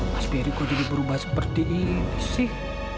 mas biari kok jadi berubah seperti ini sih